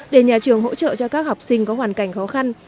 để nhà trường hỗ trợ cho các học sinh có hoàn cảnh khó khăn